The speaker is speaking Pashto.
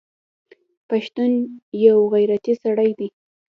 پښتون یوغیرتي سړی دی